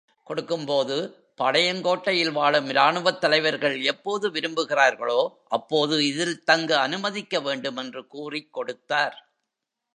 கொடுக்கும்போது பாளையங்கோட்டையில் வாழும் இராணுவத்தலைவர்கள் எப்போது விரும்புகிறார்களோ, அப்போது இதில் தங்க அனுமதிக்க வேண்டும் என்று கூறிக் கொடுத்தார்.